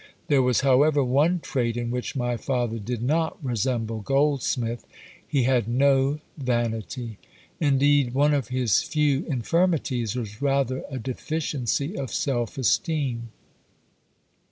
There was, however, one trait in which my father did not resemble Goldsmith: he had no vanity. Indeed, one of his few infirmities was rather a deficiency of self esteem.